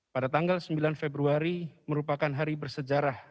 pada tanggal sembilan februari merupakan hari bersejarah